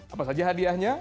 apa saja hadiahnya